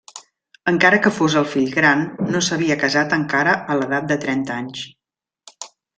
Encara que fos el fill gran, no s'havia casat encara a l'edat de trenta anys.